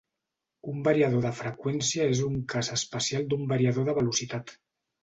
Un variador de freqüència és un cas especial d'un variador de velocitat.